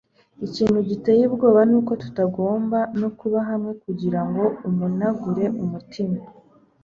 ikintu giteye ubwoba ni uko tutagomba no kuba hamwe kugira ngo umenagure umutima